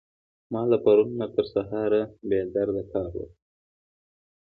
ما له پرون نه تر سهاره بې درده کار وکړ.